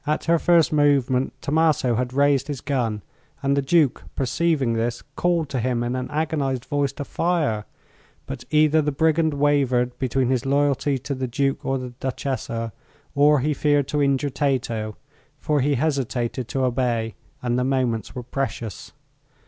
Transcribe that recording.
At her first movement Tommaso had raised his gun, and the Duke, perceiving this, called to him in an agonized voice to fire. But either the brigand wavered between his loyalty to the Duke or the Duchessa, or he feared to injure Tato, for he hesitated to obey and the moments were precious.